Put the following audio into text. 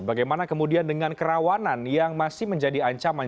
bagaimana kemudian dengan kerawanan yang masih menjadi ancaman